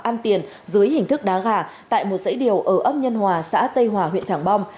ăn tiền dưới hình thức đá gà tại một dãy điều ở ấp nhân hòa xã tây hòa huyện trảng bom